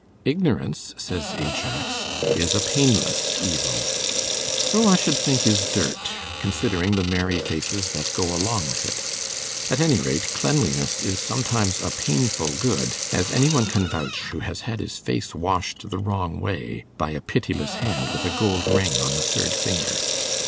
'Ignorance,' says Ajax, 'is a painless evil;' so, I should think, is dirt, considering the merry faces that go along with it. At any rate, cleanliness is sometimes a painful good, as any one can vouch who has had his face washed the wrong way, by a pitiless hand with a gold ring on the third finger.